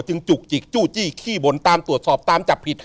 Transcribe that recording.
จุกจิกจู้จี้ขี้บ่นตามตรวจสอบตามจับผิด